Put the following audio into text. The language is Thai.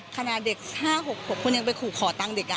คณะเด็ก๕๖คนคุณยังไปขู่ขอตังค์เด็กอ่ะ